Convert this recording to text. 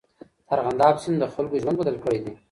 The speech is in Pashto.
د ارغنداب سیند د خلکو ژوند بدل کړی دی.